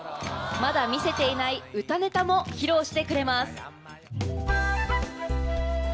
まだ見せていない歌ネタも披露してくれます。